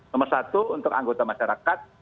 nomor satu untuk anggota masyarakat